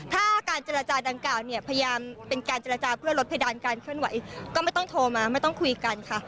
ถ้าการเจรจาดังกล่าวเนี่ยพยายามเป็นการเจรจาเพื่อลดเพดานการเคลื่อนไหวก็ไม่ต้องโทรมาไม่ต้องคุยกันค่ะ